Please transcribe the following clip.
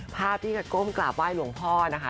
ภาพที่ก้มกราบไห้หลวงพ่อนะคะ